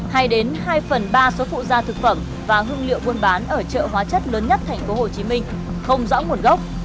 hay đến hai phần ba số phụ da thực phẩm và hương liệu buôn bán ở chợ hóa chất lớn nhất thành phố hồ chí minh không rõ nguồn gốc